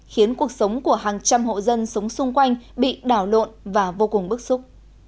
khiến cuộc sống của hàng trăm hộ dân sống xung quanh bị đảo lộn và vô cùng bức xúc